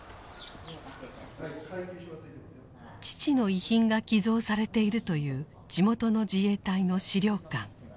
父の遺品が寄贈されているという地元の自衛隊の資料館。